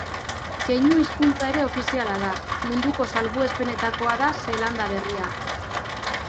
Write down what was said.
Keinu hizkuntza ere ofiziala da: munduko salbuespenetakoa da Zeelanda Berria.